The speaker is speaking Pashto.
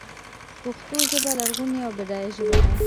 پښتو ژبه لرغونۍ او بډایه ژبه ده.